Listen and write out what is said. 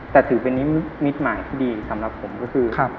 แต่ถือเป็นนิมิตหมายที่ดีสำหรับผมก็คือ